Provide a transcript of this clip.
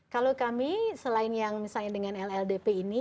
kalau kami selain yang misalnya dengan lldp ini